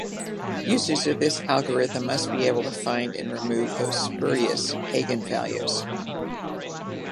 Users of this algorithm must be able to find and remove those "spurious" eigenvalues.